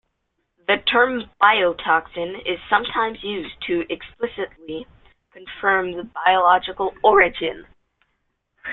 The term "biotoxin" is sometimes used to explicitly confirm the biological origin.